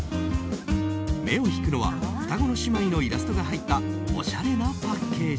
目を引くのは双子の姉妹のイラストが入ったおしゃれなパッケージ。